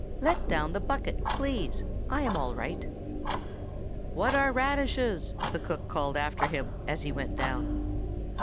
Let down the bucket, please! I am all right." "What are radishes?" the cook called after him as he went down.